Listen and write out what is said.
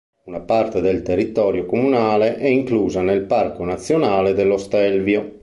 Una parte del territorio comunale è inclusa nel Parco Nazionale dello Stelvio.